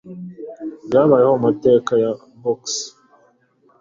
byabayeho mu mateka ya boxe.